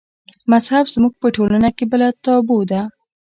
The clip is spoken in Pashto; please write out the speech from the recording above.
مذهب زموږ په ټولنه کې بله تابو ده.